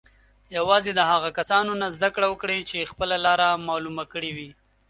یوازې د هغو کسانو نه زده کړه وکړئ چې خپله لاره معلومه کړې وي.